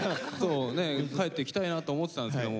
帰ってきたいなと思ってたんですけど